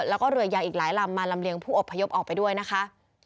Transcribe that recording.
แล้วก็เรือยางอีกหลายลำมาลำเลียงผู้อบพยพออกไปด้วยนะคะ